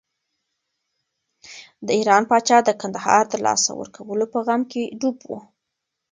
د ایران پاچا د کندهار د لاسه ورکولو په غم کې ډوب و.